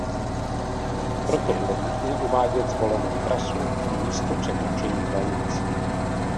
Proto bylo nutné uvádět zvolenou trasu i místo překročení hranic.